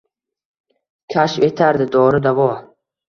Kashf etardi dori-davo.